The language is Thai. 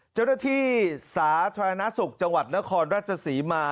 เจ้าหน้าที่สาธารณสุขจังหวัดนครราชศรีมา